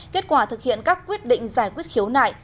kết quả thực hiện các quyết định giải quyết khiếu nại